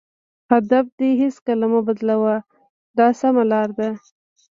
هدف دې هېڅکله مه بدلوه دا سمه لار ده.